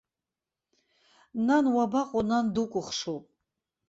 Нан, уабаҟоу, нан дукәыхшоуп!